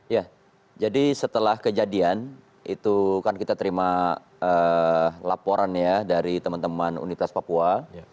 ya jadi setelah kejadian itu kan kita terima laporan ya dari teman teman universitas papua